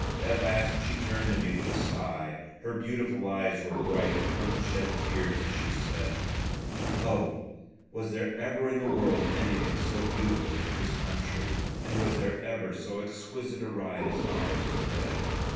At last she turned to me with a sigh; her beautiful eyes were bright with unshed tears as she said: "Oh, was there ever in the world anything so beautiful as this Country! And was there ever so exquisite a ride as ours to day!"